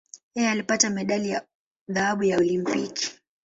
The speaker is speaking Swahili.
Yeye alipata medali ya dhahabu ya Olimpiki.